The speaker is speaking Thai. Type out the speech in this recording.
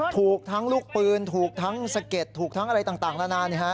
ถูกทั้งลูกปืนถูกทั้งสะเก็ดถูกทั้งอะไรต่างนานา